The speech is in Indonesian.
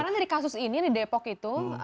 karena dari kasus ini nih depok itu